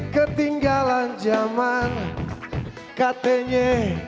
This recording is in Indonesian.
ketinggalan zaman katanya